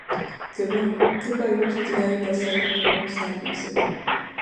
მდებარეობს მდინარე დასავლეთ ფრონის ნაპირზე.